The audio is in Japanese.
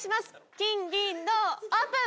金銀銅オープン！